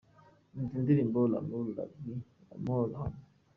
Umva indirimbo “L’Amour, La vie, La Mort” hano: .